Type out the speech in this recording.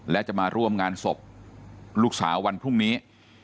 และจะมาร่วมงานศพลูกสาววันพรุ่งนี้